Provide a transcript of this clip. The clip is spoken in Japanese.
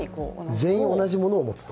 全員同じものを持つと。